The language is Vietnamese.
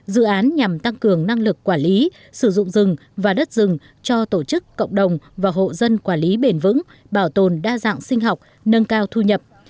dự án nhằm tăng cường năng lực quản lý sử dụng rừng và đất rừng cho tổ chức cộng đồng và hộ dân quản lý bền vững bảo tồn đa dạng sinh học nâng cao thu nhập